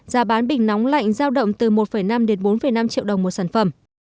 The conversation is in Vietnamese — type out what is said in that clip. giá bán bình nóng lạnh giao động từ một năm đến bốn năm triệu đồng một sản phẩm